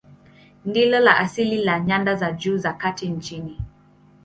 Ndilo la asili la nyanda za juu za kati nchini.